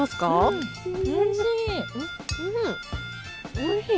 おいしい。